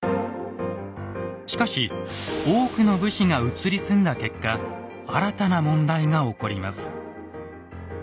しかし多くの武士が移り住んだ結果新たな問題が起こります。